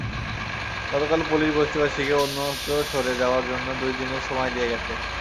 গতকাল পুলিশ বস্তিবাসীকে অন্যত্র সরে যাওয়ার জন্য দুই দিনের সময় দিয়ে গেছে।